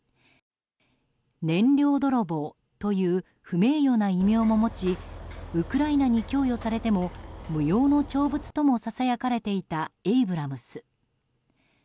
燃料泥棒という不名誉な異名も持ちウクライナに供与されても無用の長物ともささやかれていたエイブラムス。